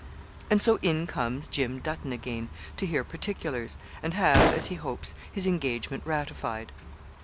And so in comes Jim Dutton again, to hear particulars, and have, as he hopes, his engagement ratified.